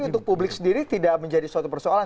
untuk publik sendiri tidak menjadi suatu persoalan